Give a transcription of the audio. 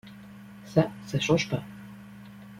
Ça, ça change pas.